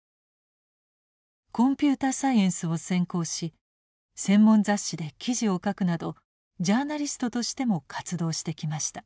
コンピューターサイエンスを専攻し専門雑誌で記事を書くなどジャーナリストとしても活動してきました。